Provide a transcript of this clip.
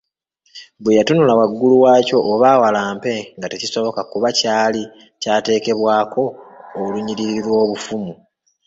Bwe yatunula waggulu waakyo oba awalampe nga tekisoboka kuba kyali kyateekebwako olunyiriri lw’obufumu.